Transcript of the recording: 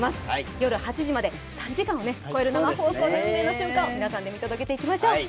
夜８時まで３時間を超える生放送で運命の瞬間を皆さんで見届けていきましょう。